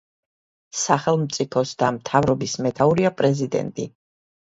სახელმწიფოს და მთავრობის მეთაურია პრეზიდენტი.